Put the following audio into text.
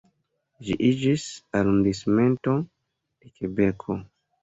Ĝi iĝis arondismento de Kebeko.